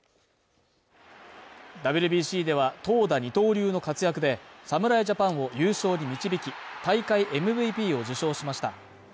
ＷＢＣでは投打二刀流の活躍で侍ジャパンを優勝に導き、大会ＭＶＰを受賞しました。